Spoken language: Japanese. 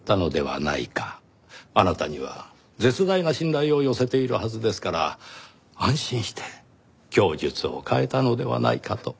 あなたには絶大な信頼を寄せているはずですから安心して供述を変えたのではないかと。